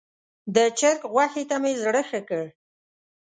د چرګ غوښې ته مې زړه ښه کړ.